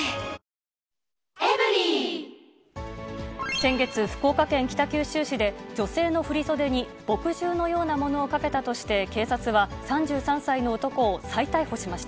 先月、福岡県北九州市で女性の振り袖に墨汁のようなものをかけたとして、警察は３３歳の男を再逮捕しました。